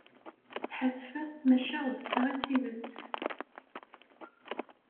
Sḥassfeɣ, maca d ta i tidet.